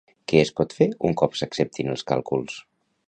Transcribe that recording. Què es pot fer un cop s'acceptin els càlculs?